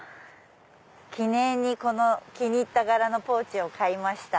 記念にこの気に入った柄のポーチを買いました。